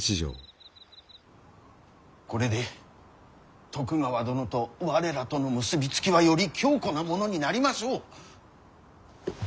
これで徳川殿と我らとの結び付きはより強固なものになりましょう。